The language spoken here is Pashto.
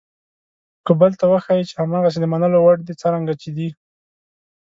خو که بل ته وښایئ چې هماغسې د منلو وړ دي څرنګه چې دي.